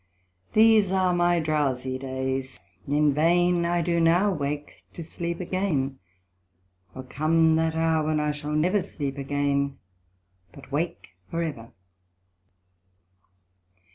These are my drowsie days; in vain I do now wake to sleep again: O come that hour, when I shall never Sleep again, but wake for ever.